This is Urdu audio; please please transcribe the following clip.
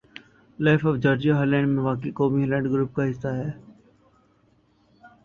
لائف آف جارجیا ہالینڈ میں واقع قومی ہالینڈ گروپ کا حصّہ ہے